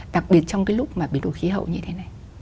đặc biệt trong cái lúc mà bị đổ khí hậu như thế này